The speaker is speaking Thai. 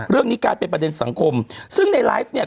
เรื่องนี้กลายเป็นประเด็นสังคมซึ่งในไลฟ์เนี่ย